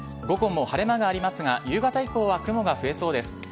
午後も晴れ間がありますが夕方以降は雲が増えそうです。